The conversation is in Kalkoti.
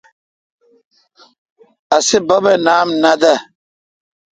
اسی بب اے نام نہ دے۔